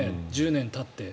１０年たって。